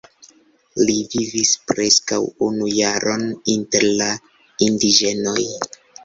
Li vivis preskaŭ unu jaron inter la indiĝenoj.